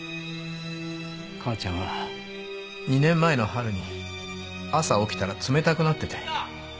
母ちゃんは２年前の春に朝起きたら冷たくなってて。